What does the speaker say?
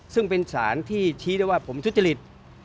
ซึ่งเป็นสารที่ชี้ได้ว่าผมทุจริต